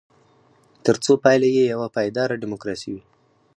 ترڅو پایله یې یوه پایداره ډیموکراسي وي.